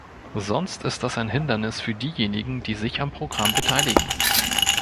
Sonst ist das ein Hindernis für diejenigen, die sich am Programm beteiligen.